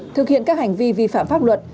thực hiện các hành vi vi phạm pháp luật